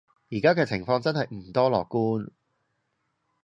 而家嘅情況真係唔多樂觀